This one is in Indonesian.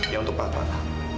ya untuk bapak